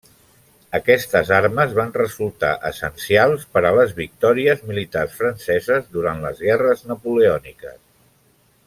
Aquestes armes van resultar essencials per a les victòries militars franceses durant les guerres napoleòniques.